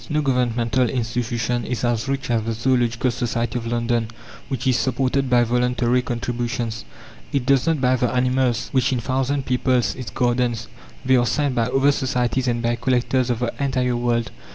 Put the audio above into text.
No governmental institution is as rich as the Zoological Society of London, which is supported by voluntary contributions. It does not buy the animals which in thousands people its gardens: they are sent by other societies and by collectors of the entire world.